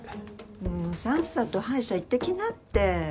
もうさっさと歯医者行ってきなって。